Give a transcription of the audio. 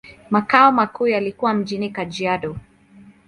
Makao makuu yalikuwa mjini Kajiado.